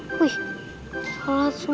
supaya keinginan kalian terkabul